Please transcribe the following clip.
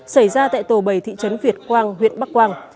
xảy ra tại tổ bầy thị trấn việt quang huyện bắc quang